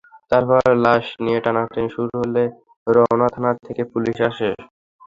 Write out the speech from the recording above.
তারপর লাশ নিয়ে টানাটানি শুরু হলে রমনা থানা থেকে পুলিশ আসে।